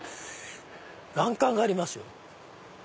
欄干がありますよ。